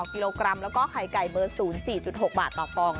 ไข่ไก่ละ๔๔๖บาท